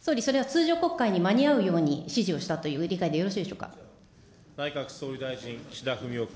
総理、それは通常国会に間に合うように指示をしたという理解でよろしい内閣総理大臣、岸田文雄君。